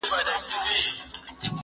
هغه څوک چي بوټونه پاکوي روغ اوسي،